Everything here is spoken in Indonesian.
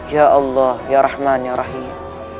ya allah ya rahman nya rahim